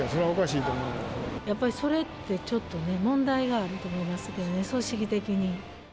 いや、やっぱりそれってちょっとね、問題があると思いますけどね、組織的に。